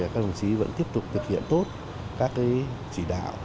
các đồng chí vẫn tiếp tục thực hiện tốt các chỉ đạo